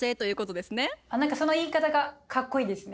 何かその言い方がかっこいいですね。